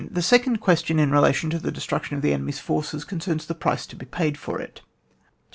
The second question in relation to the destruction of the enemy's forces concerns the price to be paid for it. 250.